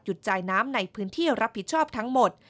จ่ายน้ำในพื้นที่รับผิดชอบทั้งหมด